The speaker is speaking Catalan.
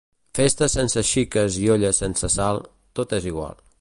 Festa sense xiques i olla sense sal, tot és igual.